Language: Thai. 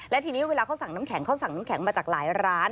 และทีนี้เวลาเขาสั่งน้ำแข็งเขาสั่งน้ำแข็งมาจากหลายร้าน